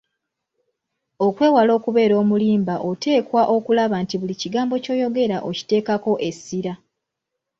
Okwewala okubeera omulimba oteekwa okulaba nti buli kigambo ky'oyogera okiteekako essira.